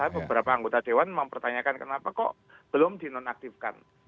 beberapa anggota dewan mempertanyakan kenapa kok belum dinonaktifkan